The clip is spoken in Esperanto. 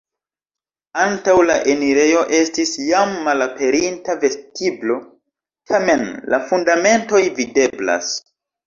Antaŭ la enirejo estis jam malaperinta vestiblo, tamen la fundamentoj videblas.